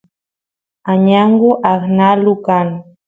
añangu aqnalu kan